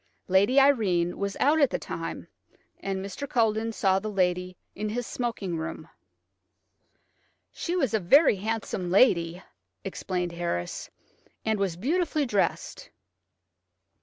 Lady Irene was out at the time, and Mr. Culledon saw the lady in his smoking room. "She was a very handsome lady," explained Harris, "and was beautifully dressed."